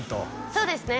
そうですね